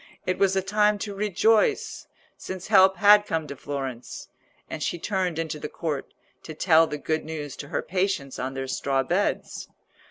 It was a time to rejoice, since help had come to Florence; and she turned into the court to tell the good news to her patients on their straw beds.